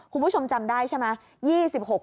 คุณผู้ชมจำได้ใช่ไหม